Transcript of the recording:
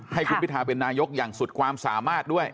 ให้คุณพิทาเป็นนายกอย่างสุดความสามารถด้วย